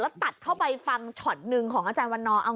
แล้วตัดเข้าไปฟังช็อตหนึ่งของอาจารย์วันนอร์เอา